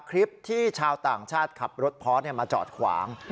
คลิปที่ชาวต่างชาติขับรถพอร์ตมาจอดขวาง